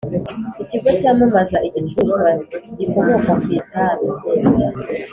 Ikigo cyamamaza igicuruzwa gikomoka ku itabi